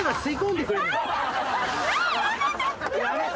やめて！